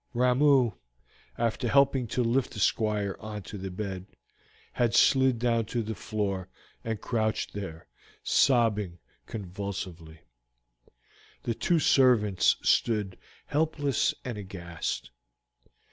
Ramoo, after helping to lift the Squire onto the bed, had slid down to the floor, and crouched there, sobbing convulsively. The two servants stood helpless and aghast.